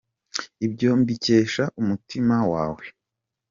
Ibyo mbikesha umutima wawe